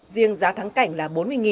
riêng giá thắng cảnh là bốn mươi